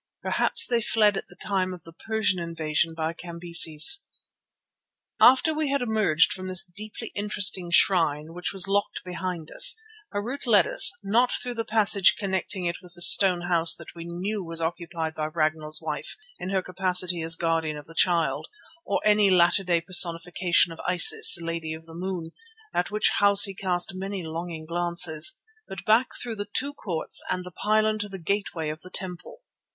Perhaps they fled at the time of the Persian invasion by Cambyses. After we had emerged from this deeply interesting shrine, which was locked behind us, Harût led us, not through the passage connecting it with the stone house that we knew was occupied by Ragnall's wife in her capacity as Guardian of the Child, or a latter day personification of Isis, Lady of the Moon, at which house he cast many longing glances, but back through the two courts and the pylon to the gateway of the temple.